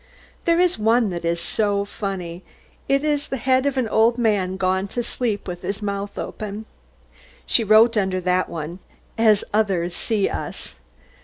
There is one that is so funny. It is the head of an old man, gone to sleep with his mouth open. She wrote under that one, "As others see us."